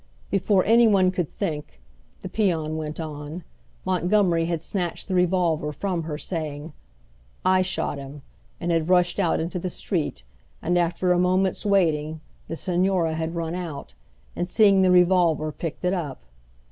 Before any one could think, the peon went on, Montgomery had snatched the revolver from her, saying: "I shot him," and had rushed out into the street, and after a moment's waiting the Señora had run out, and seeing the revolver picked it up.